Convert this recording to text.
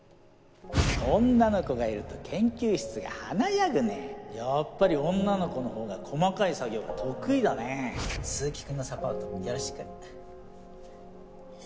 女の子がいると研究室が華ややっぱり女の子の方が細かい作業が得意だ鈴木君のサポートよろしく。